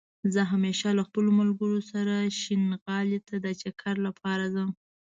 زه همېشه له خپلو ملګرو سره شينغالى ته دا چکر لپاره ځم